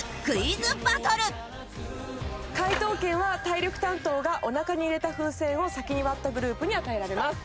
解答権は体力担当がおなかに入れた風船を先に割ったグループに与えられます。